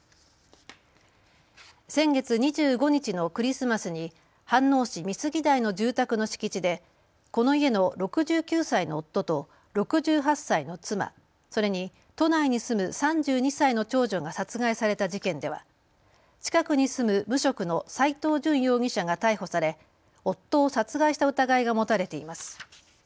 先月２５日のクリスマスに飯能市美杉台の住宅の敷地でこの家の６９歳の夫と６８歳の妻それに都内に住む３２歳の長女が殺害された事件では近くに住む無職の斎藤淳容疑者が逮捕され夫を殺害した疑いが持たれています。